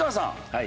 はい。